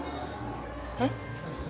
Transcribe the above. えっ？